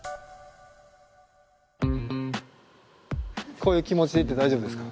こういう気持ちで行って大丈夫ですか？